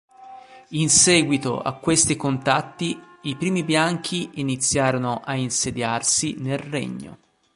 In seguito a questi contatti, i primi bianchi iniziarono a insediarsi nel regno.